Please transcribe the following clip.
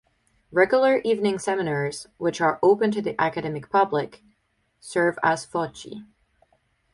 Regular evening seminars, which are open to the academic public, serve as foci.